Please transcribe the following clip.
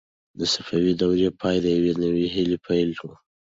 د صفوي دورې پای د یوې نوې هیلې پیل و.